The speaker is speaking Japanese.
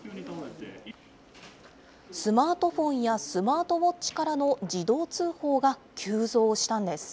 スマートフォンやスマートウォッチからの自動通報が急増したのです。